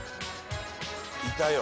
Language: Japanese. いたよ！